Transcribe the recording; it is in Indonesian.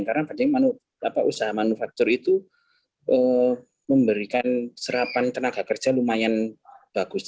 karena usaha manufaktur itu memberikan serapan tenaga kerja lumayan bagus